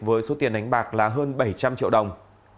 với số tiền đánh bạc là hơn bảy trăm linh triệu đồng